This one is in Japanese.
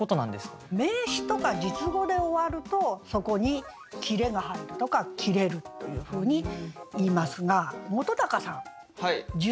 名詞とか述語で終わるとそこに切れが入るとか切れるというふうにいいますが本さん述語って知ってますよね？